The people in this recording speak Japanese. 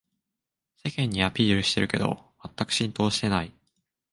世間にアピールしてるけどまったく浸透してない